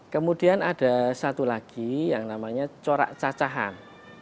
kemudian ada satu lagi yang namanya corak cacahan